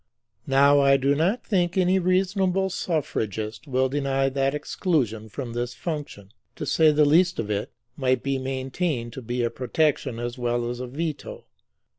Now I do not think any reasonable Suffragist will deny that exclusion from this function, to say the least of it, might be maintained to be a protection as well as a veto.